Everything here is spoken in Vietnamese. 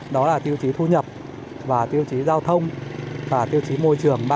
đó là tiêu chí thu nhập và tiêu chí giao thông và tiêu chí môi trường